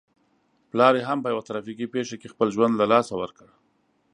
پلار يې هم په يوه ترافيکي پېښه کې خپل ژوند له لاسه ور کړ.